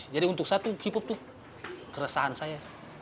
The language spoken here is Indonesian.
jadi untuk satu hip hop itu keresahan saya